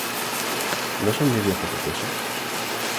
¿No son mis días poca cosa?